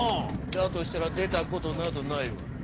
だとしたら出たことなどないわ！